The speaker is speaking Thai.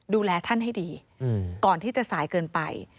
ดูแลท่านให้ดีก่อนที่จะสายเกินไป